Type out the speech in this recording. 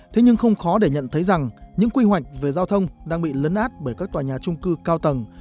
thế nhưng không khó để nhận thấy rằng những quy hoạch về giao thông đang bị lấn át bởi các tòa nhà trung cư cao tầng